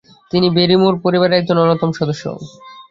তিনি ব্যারিমোর পরিবারের একজন অন্যতম সদস্য।